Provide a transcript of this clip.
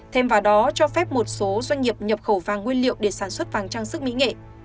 thêm vào đó cho phép một số doanh nghiệp nhập khẩu vàng nguyên liệu để sản xuất vàng trang sức mỹ nghệ